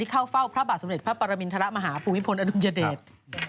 ที่เข้าเฝ้าพระบาทสมเด็จพระปรบิณฑ์ทะละมหาภูมิพนธ์อนุญาเดช